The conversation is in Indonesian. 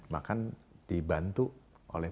maka dibantu oleh